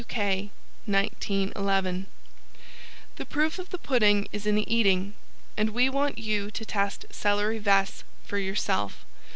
W. K. 1911 "The proof of the pudding is in the eating." And we want you to test CELERY VESCE for yourself.